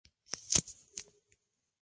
Firmó luego un tratado de paz.